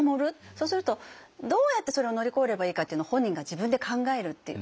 そうするとどうやってそれを乗り越えればいいかっていうの本人が自分で考えるっていうわけですよね。